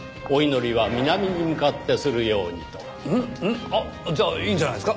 ん？じゃあいいんじゃないですか？